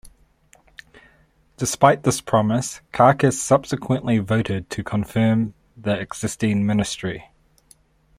Despite this promise, caucus subsequently voted to confirm the existing ministry.